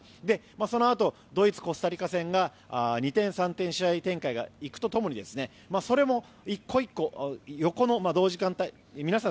そのあとドイツ、コスタリカ戦が二転三転試合展開が行くとともにそれも１個１個、横の同時間帯皆さん